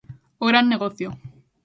O gran negocio.